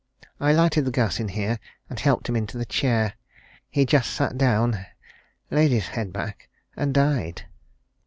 I lighted the gas in here, and helped him into the chair. He just sat down, laid his head back, and died."